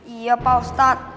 iya pak ustadz